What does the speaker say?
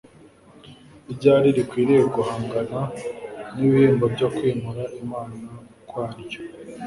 ryari rikwiriye guhangana n'ibihembo byo kwimura Imana kwaryo.